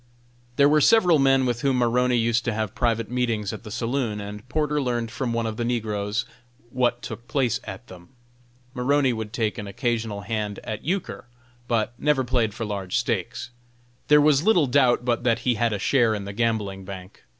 There were several men with whom Maroney used to have private meetings at the saloon, and Porter learned from one of the negroes what took place at them. Maroney would take an occasional hand at euchre, but never played for large stakes. There was little doubt but that he had a share in the gambling bank.